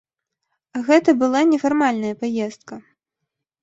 Гэта была нефармальная паездка.